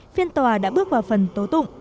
phiên tòa đã bước vào phần tố tụng